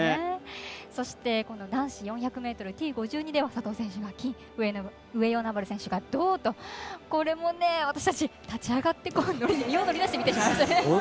そして男子４００ｍＴ５２では佐藤選手が金上与那原選手が銅と私たち、立ち上がって身を乗り出して見てしまいました。